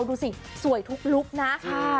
ดูสิสวยทุกลุฯนะค่ะ